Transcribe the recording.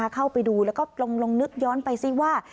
เข้าไปดูแล้วก็ลองนึกย้อนไปซิว่า